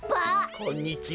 こんにちは。